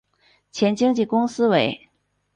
前经纪公司为。